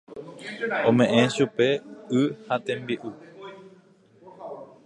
Ome'ẽ chupe y ha tembi'u.